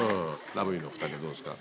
ラブリーのお２人はどうですか？